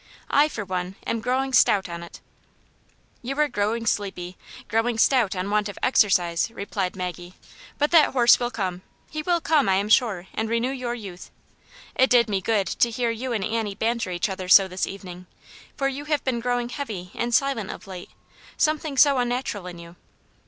I, for one, am growing stout on it." " You are growing sleepy — growing stout on want of exercise," replied Maggie. " But that horse will come; he will come, I am sure, and renew your youth. It did me good to hear you and Annie ban ter each other so this evening, for you have been growing heavy and silent of late ; something so un natural in you."